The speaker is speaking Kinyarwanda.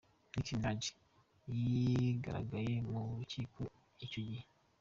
Nicki Minaj ntiyagaragaye mu rukiko icyo gihe.